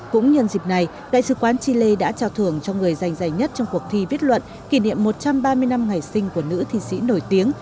cũng nhân dịp này đại sứ quán chile đã trao thưởng cho người giành giải nhất trong cuộc thi viết luận kỷ niệm một trăm ba mươi năm ngày sinh của nữ thi sĩ nổi tiếng